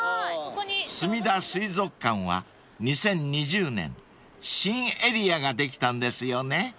［すみだ水族館は２０２０年新エリアができたんですよね］